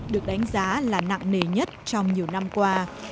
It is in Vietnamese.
được đánh giá là nặng nề nhất trong nhiều năm qua